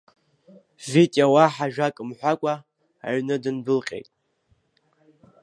Витиа уаҳа ажәак мҳәакәа, аҩны дындәылҟьеит.